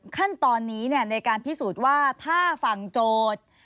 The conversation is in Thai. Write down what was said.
ขั้นตอนนี้ในการพิสูจน์ว่าถ้าฝั่งโจทย์